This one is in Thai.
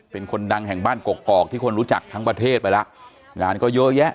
เป็นคนดังแห่งบ้านกกอกที่คนรู้จักทั้งประเทศไปแล้วงานก็เยอะแยะ